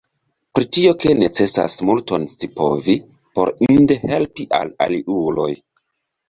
Pri tio, ke necesas multon scipovi, por inde helpi al aliuloj.